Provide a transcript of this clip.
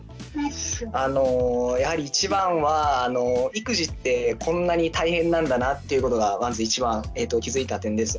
あのやはり一番は育児ってこんなに大変なんだなっていうことがまず一番気付いた点です。